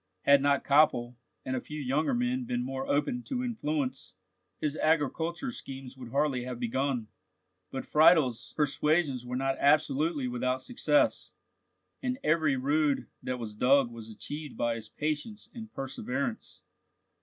Had not Koppel and a few younger men been more open to influence, his agricultural schemes could hardly have begun; but Friedel's persuasions were not absolutely without success, and every rood that was dug was achieved by his patience and perseverance.